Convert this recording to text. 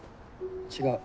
違う。